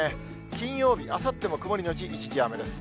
金曜日、あさっても曇り後一時雨です。